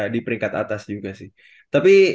di peringkat atas juga sih tapi